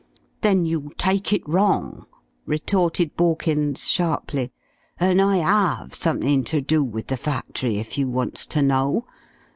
"Then you take it wrong!" retorted Borkins, sharply. "And I have something ter do with the factory, if you wants ter know.